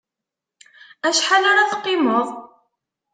Acḥal ara t-qimeḍ?